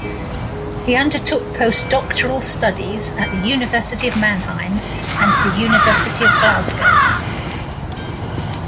He undertook post-Doctoral studies at the University of Mannheim and the University of Glasgow.